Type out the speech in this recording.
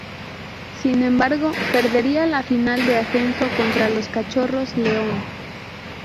Sin embargo, perdería la final de ascenso contra los Cachorros León.